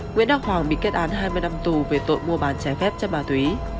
nguyễn đắc hoàng bị kết án hai mươi năm tù về tội mua bàn trái phép cho bà thúy